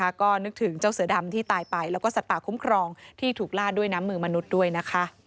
ก็นึกถึงเจ้าเสือดำที่ตายไปแล้วก็สัตว์ป่าคุ้มครองที่ถูกล่าด้วยน้ำมือมนุษย์ด้วยนะคะ